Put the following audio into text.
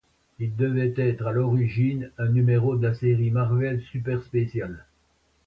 Il devait être à l'origine un numéro de la série Marvel Super Special.